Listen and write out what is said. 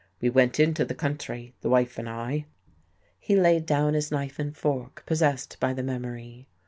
We went into the country, the wife and I." He laid down his knife and fork, possessed by the memory.